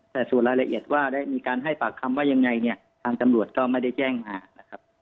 แต่ส่วนรายละเอียดว่าได้มีการให้ปากคำว่ายังไงเนี่ยทางตำรวจก็ไม่ได้แจ้งมานะครับ